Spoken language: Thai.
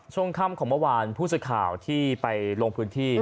ช่วงค่ำของเมื่อวานผู้สื่อข่าวที่ไปลงพื้นที่